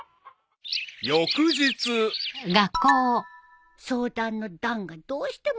［翌日］相談の「談」がどうしても思い出せなくて。